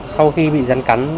sau khi bị rắn cắn